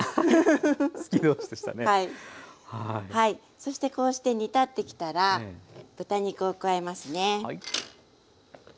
そしてこうして煮立ってきたら豚肉を加えますね。